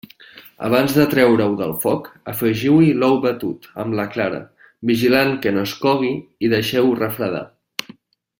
Abans de treure-ho del foc, afegiu-hi l'ou batut, amb la clara, vigilant que no es cogui i deixeu-ho refredar.